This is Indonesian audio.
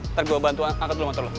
ntar gue bantu angkat dulu motor lo